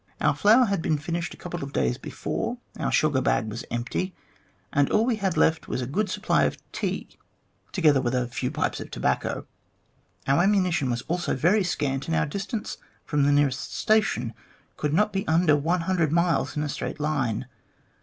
Our flour had been finished a couple of days before, our sugar bag was empty, and all we had left was a good supply of tea, together with a few pipes of tobacco. Our ammunition was also very scant, and our distance from the nearest station could not be under one hundred miles in a straight line.